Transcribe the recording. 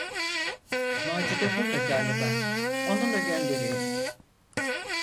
Macide burda galiba; onunla göndereyim!